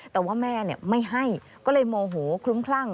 แต่ว่าแม่ไม่ให้ก็เลยโมโหคลุ้มคลั่ง